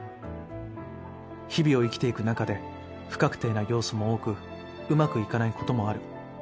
日々を生きていく中で不確定な要素も多くうまくいかない事もある。